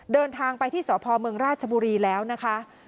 เดินทางไปที่สพเมืองราชบุรีแล้วนะคะ